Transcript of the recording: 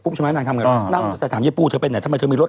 ปุ๊บใช่ไหมนางทำกันนางก็จะถามเย็ดปูเธอไปไหนทำไมเธอมีรถ